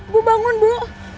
bu bangun bu